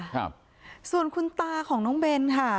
ครับส่วนคุณตาของน้องเบนค่ะ